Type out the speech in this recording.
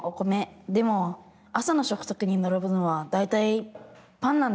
でも朝のしょくたくにならぶのは大体パンなんです。